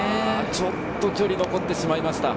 ちょっと距離が残ってしまいました。